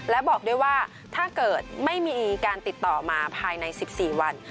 และบอกด้วยว่าถ้าเกิดไม่มีการติดต่อมาภายใน๑๔วัน